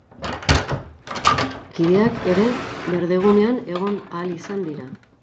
Talde teknikoko kideak ere berdegunean egon ahal izan dira.